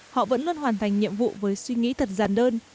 họ vẫn luôn hoàn thành nhiệm vụ với suy nghĩ thật giàn đơn